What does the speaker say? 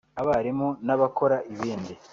abarimu n’abakora ibindi